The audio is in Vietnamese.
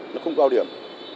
nó không cao điểm